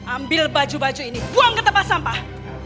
ambil baju baju ini buang ke tempat sampah